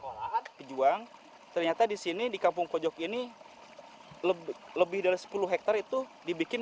sekolah pejuang ternyata di sini di kampung pojok ini lebih lebih dari sepuluh hektare itu dibikin